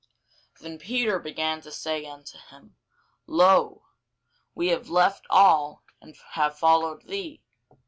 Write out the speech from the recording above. Then Peter began to say unto him, Lo, we have left all, and have followed thee.